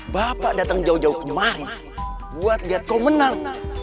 bapak datang jauh jauh kemari buat lihat kau menang